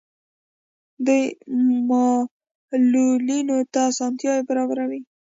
دوی معلولینو ته اسانتیاوې برابروي.